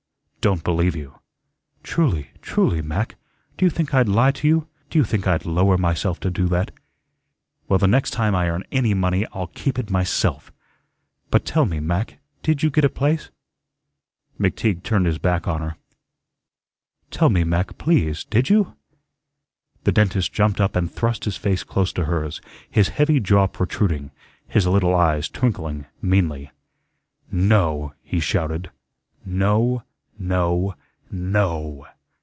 "Don't believe you." "Truly, truly, Mac. Do you think I'd lie to you? Do you think I'd lower myself to do that?" "Well, the next time I earn any money I'll keep it myself." "But tell me, Mac, DID you get a place?" McTeague turned his back on her. "Tell me, Mac, please, did you?" The dentist jumped up and thrust his face close to hers, his heavy jaw protruding, his little eyes twinkling meanly. "No," he shouted. "No, no, NO.